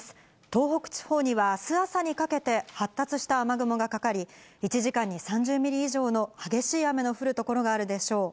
東北地方にはあす朝にかけて発達した雨雲がかかり、１時間に３０ミリ以上の激しい雨の降る所があるでしょう。